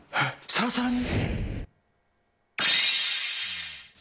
サラサラに？